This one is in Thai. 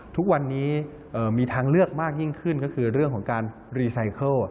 ทุกวันนี้มีทางเลือกมากยิ่งขึ้นก็คือเรื่องของการรีไซเคิล